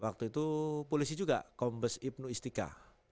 waktu itu polisi juga kombes ibnu istika